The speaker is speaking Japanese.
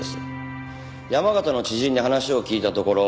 山形の知人に話を聞いたところ